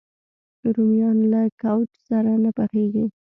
رومیان له کوچ سره نه پخېږي